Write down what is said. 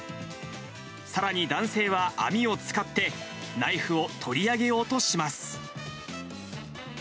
さらに男性は網を使って、ナイフを取り上げようとします。